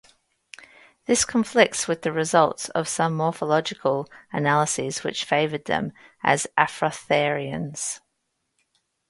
This conflicts with the results of some morphological analyses which favoured them as afrotherians.